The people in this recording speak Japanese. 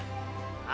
あ